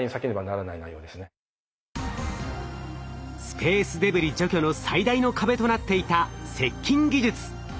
スペースデブリ除去の最大の壁となっていた接近技術。